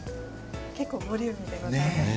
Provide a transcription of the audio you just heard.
結構ボリューミーでございますね。